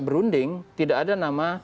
berunding tidak ada nama